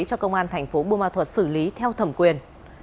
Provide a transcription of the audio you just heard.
cho công an thành phố bùa ma thuật xử lý theo thẩm quyền